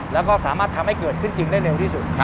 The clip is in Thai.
แล้วก็สามารถทำให้เกิดขึ้นจริงได้เร็วที่สุด